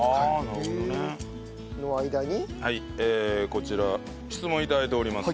こちら質問を頂いておりますね。